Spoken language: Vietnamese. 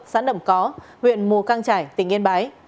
xã nẩm có huyện mù căng trải tỉnh yên bái